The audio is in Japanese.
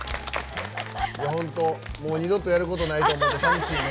二度とやることないと思うとさみしいね。